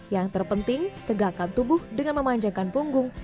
yang terpenting tegakkan tubuh dengan memanjakan punggung